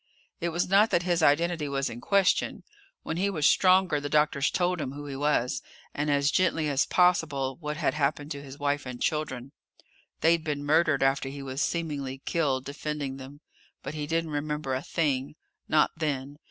It was not that his identity was in question. When he was stronger, the doctors told him who he was, and as gently as possible what had happened to his wife and children. They'd been murdered after he was seemingly killed defending them. But he didn't remember a thing. Not then.